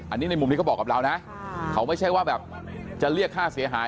อันนี้ในมุมที่เขาบอกกับเรานะเขาไม่ใช่ว่าแบบจะเรียกค่าเสียหาย